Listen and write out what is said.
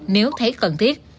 nếu thấy cần thiết